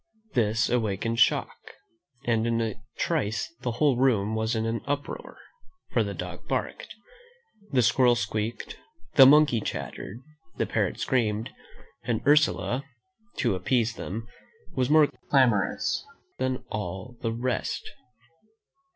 This awakened Shock, and in a trice the whole room was in an uproar; for the dog barked, the squirrel squealed, the monkey chattered, the parrot screamed, and Ursula, to appease them, was more clamorous than all the rest.